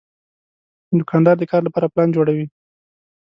دوکاندار د کار لپاره پلان جوړوي.